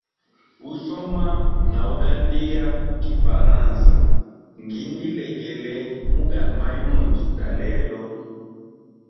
Usoma na ugandia kifaransa ngindu ilegele mu gano mayunzu ga lelo.